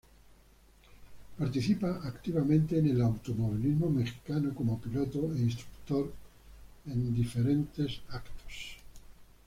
Participa activamente en el automovilismo mexicano como piloto e instructor en diversos eventos.